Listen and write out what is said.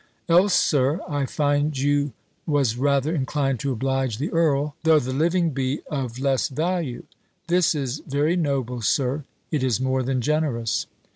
"Else, Sir, I find you was rather inclined to oblige the earl, though the living be of less value! This is very noble, Sir; it is more than generous."